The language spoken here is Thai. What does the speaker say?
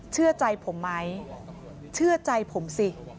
เชื่อใจผมไหมเชื่อใจผมสิ